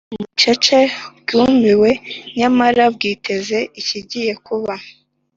bucecetse, bwumiwe nyamara bwiteze ikigiye kuba,